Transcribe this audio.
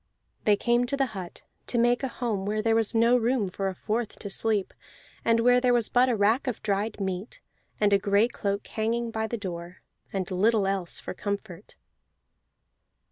They came to the hut, to make a home where there was no room for a fourth to sleep, and where there was but a rack of dried meat, and a gray cloak hanging by the door, and little else for comfort.